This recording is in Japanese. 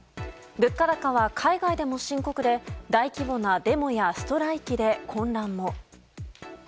物価高は海外でも深刻で大規模なデモやストライキで混乱も。